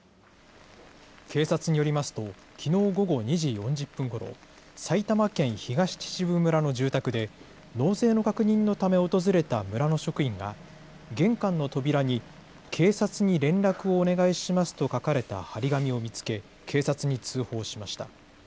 警察によりますと、きのう午後２時４０分ごろ、埼玉県東秩父村の住宅で、納税の確認のため訪れた村の職員が、玄関の扉に、警察に連絡をお願いしますと書かれた貼り紙を見つけ、警察に通報しました。